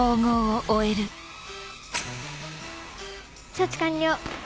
処置完了。